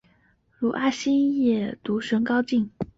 最后阿星也如愿见到赌神高进。